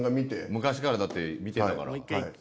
昔からだって見てたから。